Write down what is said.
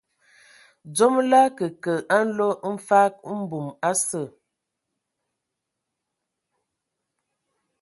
Dzom lə akǝkǝ nlo mfag mbum a sə.